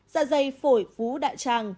già dày phổi vú đại tràng